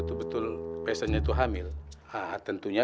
untuk mengambil hediahnya